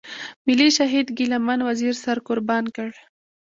ملي شهيد ګيله من وزير سر قربان کړ.